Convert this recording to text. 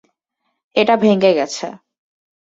এটা ভেঙ্গে গেছে।